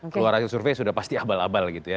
keluar hasil survei sudah pasti abal abal gitu ya